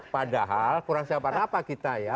padahal kurang siapa apa kita ya